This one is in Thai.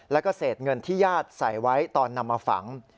แล้วก็เศษเงินที่ญาติใส่ไว้ตอนนำมาฝัง